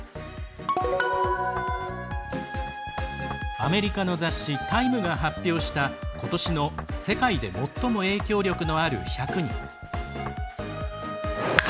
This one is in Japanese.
アメリカの雑誌「タイム」が発表したことしの世界で最も影響力のある１００人。